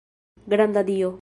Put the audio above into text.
Granda Dio!